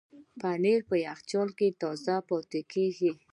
پنېر په یخچال کې تازه پاتې کېږي.